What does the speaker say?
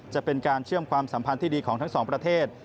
จะเป็นการเชื่อมความสัมพันธ์ที่ดีของทั้งสองประเทศ